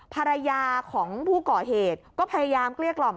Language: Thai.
ภรรยาของผู้ก่อเหตุก็พยายามเกลี้ยกล่อม